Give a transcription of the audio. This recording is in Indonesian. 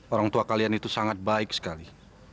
orang tua kalian itu sangat baik sekali